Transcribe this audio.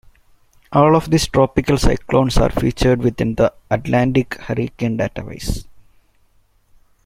All of these tropical cyclones are featured within the Atlantic hurricane database.